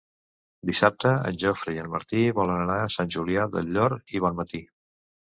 Dissabte en Jofre i en Martí volen anar a Sant Julià del Llor i Bonmatí.